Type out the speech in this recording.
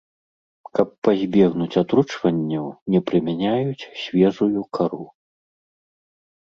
Каб пазбегнуць атручванняў, не прымяняюць свежую кару.